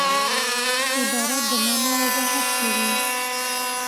عبارت د مانا وضاحت کوي.